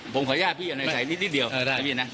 ขออนุญาตพี่อะน้อยชัย